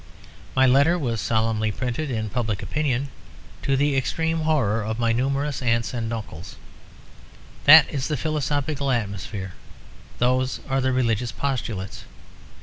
My letter was solemnly printed in Public Opinion, to the extreme horror of my numerous aunts and uncles." That is the philosophical atmosphere; those are the religious postulates.